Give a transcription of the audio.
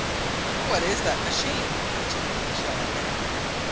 "What is that machine?" continued Michel Ardan.